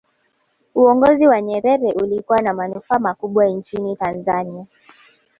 uongozi wa nyerere ulikuwa na manufaa makubwa nchini tanzania